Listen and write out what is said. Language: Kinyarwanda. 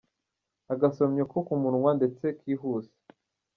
Agasomyo ko ku munwa ndetse kihuse.